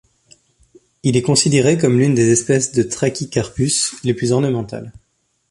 Il est considéré comme l’une des espèces de Trachycarpus les plus ornementales.